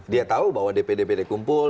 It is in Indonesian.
dia tahu bahwa dpr dpr kumpul